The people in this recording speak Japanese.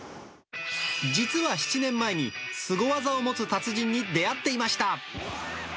実は７年前に、すご技を持つ達人に出会っていました。